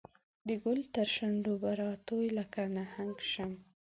د ګل ترشو نډو به راتوی لکه نګهت شمه